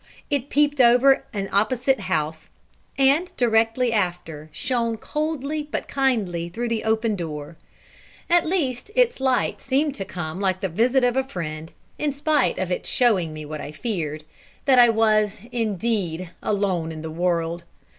It peeped over an opposite house, and directly after, shone coldly but kindly through the open door. At least, its light seemed to come like the visit of a friend, in spite of its showing me what I feared, that I was indeed alone in the world.